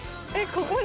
ここに？